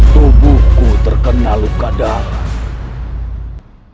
tubuhku terkena luka dalam